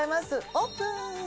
オープン！